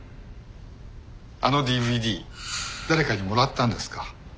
あのＤＶＤ誰かにもらったんですか？